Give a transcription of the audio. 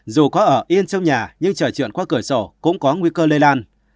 dù có ở yên trong nhà nhưng chờ chuyện qua cửa sổ cũng có nguy cơ lây lan